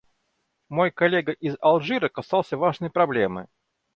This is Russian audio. Мой коллега из Алжира касался важной проблемы.